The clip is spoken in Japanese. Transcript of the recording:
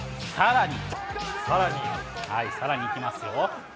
さらに、さらにいきますよ。